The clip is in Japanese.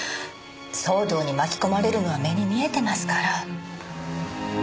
騒動に巻き込まれるのは目に見えてますから。